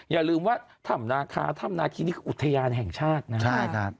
อย่าลืมว่าธรรมนาคาธรรมนาคีนี่คืออุทยานแห่งชาตินะครับใช่ครับ